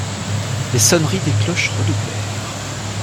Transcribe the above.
Les sonneries des cloches redoublèrent.